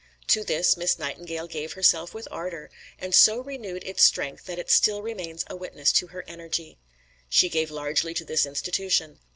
To this Miss Nightingale gave herself with ardour, and so renewed its strength that it still remains a witness to her energy. She gave largely to this institution.